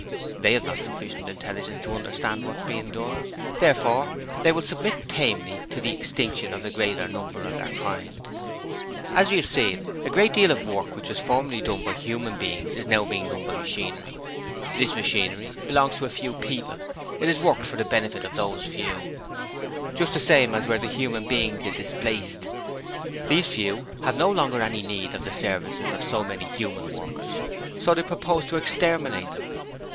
They have not sufficient intelligence to understand what's being done. Therefore they will submit tamely to the extinction of the greater number of their kind. 'As we have seen, a great deal of the work which was formerly done by human beings is now being done by machinery. This machinery belongs to a few people: it is worked for the benefit of those few, just the same as were the human beings it displaced. These Few have no longer any need of the services of so many human workers, so they propose to exterminate them!